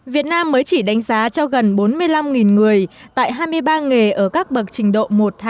việt nam mới chỉ đánh giá cho gần bốn mươi năm người tại hai mươi ba nghề ở các bậc trình độ một hai